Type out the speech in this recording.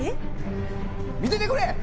見ててくれ！